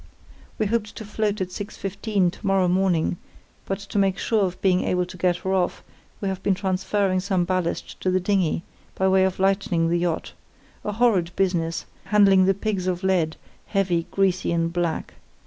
We hope to float at 6.15 to morrow morning, but to make sure of being able to get her off, we have been transferring some ballast to the dinghy, by way of lightening the yacht—a horrid business handling the pigs of lead, heavy, greasy, and black.